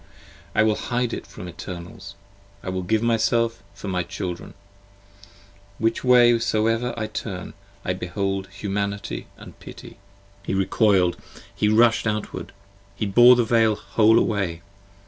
I will hide it from Eternals! I will give myself for my Children! Which way soever I turn, I behold Humanity and Pity! 24 20 He recoil'd: he rush'd outwards: he bore the Veil whole away.